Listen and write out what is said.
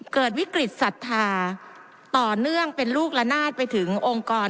เกิดวิกฤตศรัทธาต่อเนื่องเป็นลูกละนาดไปถึงองค์กร